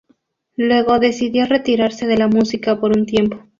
Luego decidió retirarse de la música por un tiempo.